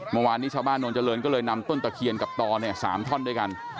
เมื่อวานนี้ชาวบ้านนวลเจริญก็เลยนำต้นตะเคียนกับตอเนี่ย๓ท่อนด้วยกัน